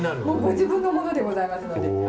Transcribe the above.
もうご自分のものでございますので。